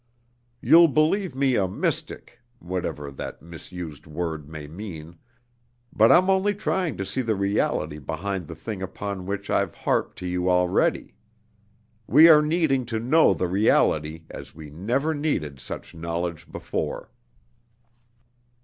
You'll believe me a 'mystic' (whatever that misused word may mean!), but I'm only trying to see the Reality behind the Thing upon which I've harped to you already. We are needing to know the Reality as we never needed such knowledge before.